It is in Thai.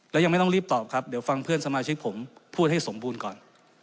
แล้วยังไม่ต้องรีบตอบครับเดี๋ยวฟังเพื่อนสมาชิกผมพูดให้สมบูรณ์ก่อน